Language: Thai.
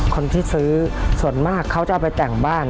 คนที่ซื้อส่วนมากเขาจะเอาไปแต่งบ้าน